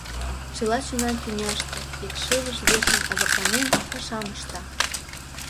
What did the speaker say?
Чыла чонан тӱняште, икшывыж верчын азапланен, пашам ышта.